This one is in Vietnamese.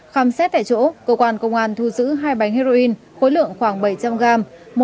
khám xét tại chỗ cơ quan công an thu giữ hai bánh heroin khối lượng khoảng bảy trăm linh gram